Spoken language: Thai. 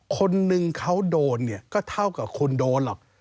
คนนึงเขาโดนเนี่ยก็เท่ากับคุณโดนหรอก